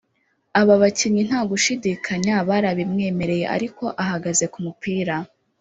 Aba bakinnyi nta gushidikanya barabimwemereye ariko ahagaze ku mupira